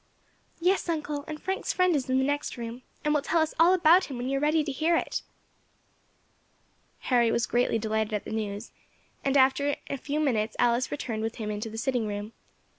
"Yes, uncle; and Frank's friend is in the next room, and will tell us all about him when you are ready to hear it." Harry was greatly delighted at the news, and after a few minutes Alice returned with him to the sitting room.